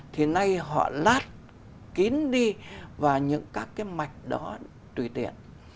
thì nay họ lát kín đi và những các cái mạch đó tùy tiện